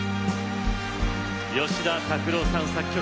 吉田拓郎さん作曲。